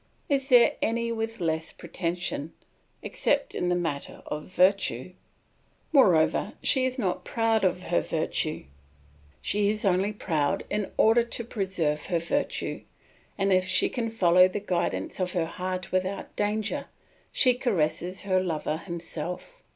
Is there any with less pretension, except in the matter of virtue? Moreover, she is not proud of her virtue, she is only proud in order to preserve her virtue, and if she can follow the guidance of her heart without danger, she caresses her lover himself.